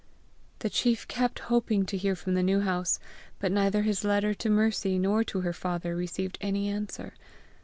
The chief kept hoping to hear from the New House, but neither his letter to Mercy nor to her father received any answer.